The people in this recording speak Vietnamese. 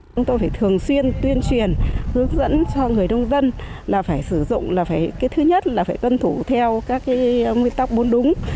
chúng tôi phải thường xuyên tuyên truyền hướng dẫn cho người nông dân là phải sử dụng là cái thứ nhất là phải tuân thủ theo các nguyên tắc bốn đúng